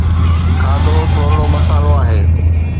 کاڌو ٿورڙو مصالحو آهي